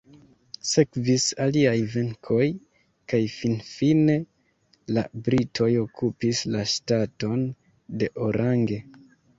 Sekvis aliaj venkoj kaj finfine la britoj okupis la ŝtaton de Orange.